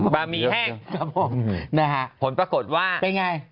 หมี่แห้งครับผมนะฮะผลปรากฏว่าเป็นไง